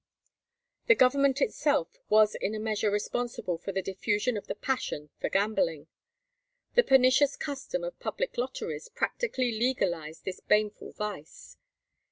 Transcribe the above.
The Government itself was in a measure responsible for the diffusion of the passion for gambling. The pernicious custom of public lotteries practically legalized this baneful vice.